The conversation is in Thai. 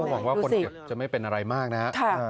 หวังว่าคนเจ็บจะไม่เป็นอะไรมากนะครับ